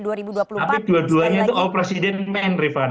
tapi dua duanya itu all president men rifana